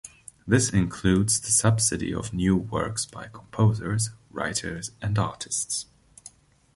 This includes the subsidy of new works by composers, writers and artists.